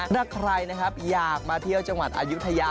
และใครอยากมาเที่ยวจังหวัดอายุทยา